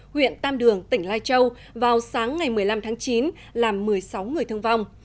huyện tam đường tỉnh lai châu vào sáng ngày một mươi năm tháng chín làm một mươi sáu người thương vong